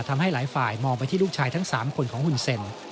ทำให้หลายฝ่ายมองไปที่ลูกชายทั้ง๓คนของหุ่นเซ็น